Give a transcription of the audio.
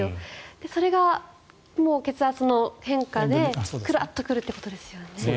それが血圧の変化でクラッと来るっていうことですよね。